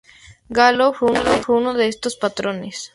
Galo fue uno de estos patrones.